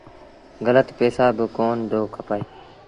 گلت پئيٚسآ با ڪونا دو کپآئي